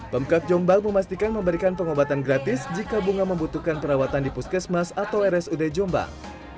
pemkap jombang memastikan memberikan pengobatan gratis jika bunga membutuhkan perawatan di puskesmas atau rsud jombang